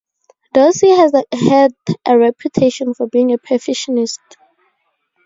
Dorsey had a reputation for being a perfectionist.